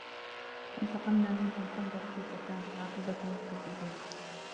فانتقمنا منهم فانظر كيف كان عاقبة المكذبين